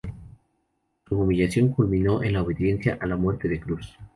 Su humillación culminó en la obediencia a la muerte de cruz.